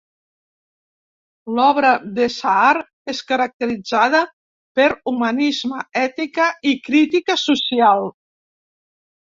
L'obra de Saar és caracteritzada per humanisme, ètica i crítica social.